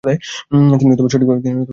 তিনি সঠিকভাবে বোলিং করেননি।